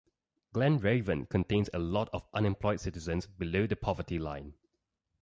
Glen Raven contains a lot of unemployed citizens below the poverty line.